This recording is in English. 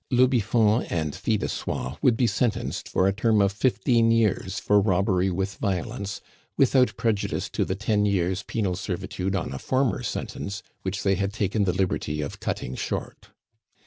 Le Biffon and Fil de Soie would be sentenced for a term of fifteen years for robbery with violence, without prejudice to the ten years' penal servitude on a former sentence, which they had taken the liberty of cutting short.